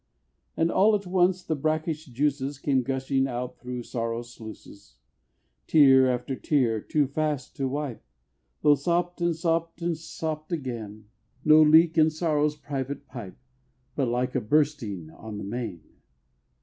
And all at once the brackish juices Came gushing out thro' sorrow's sluices Tear after tear too fast to wipe, Tho' sopped, and sopped, and sopped again No leak in sorrow's private pipe, But like a bursting on the main!